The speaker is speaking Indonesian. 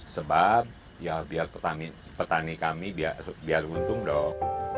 sebab ya biar petani kami biar untung dong